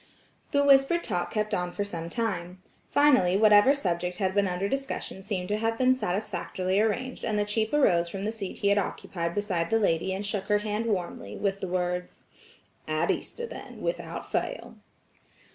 The whispered talk kept on for some time. Finally, whatever subject had been under discussion seemed to have been satisfactorially arranged, and the chief arose from the seat he had occupied beside the lady and shook her hand warmly, with the words: "At Easter then without fail."